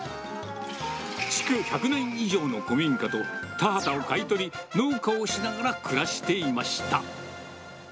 築１００年以上の古民家と、田畑を買い取り、農家をしながら暮らしていました。